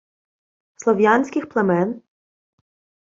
слов'янських племен